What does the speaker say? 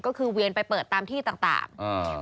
ก็คือเวียนไปเปิดตามที่ต่าง